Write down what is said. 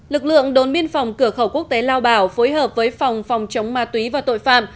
lực lượng đồn biên phòng cửa khẩu quốc tế lao bảo phối hợp với phòng phòng chống ma túy và tội phạm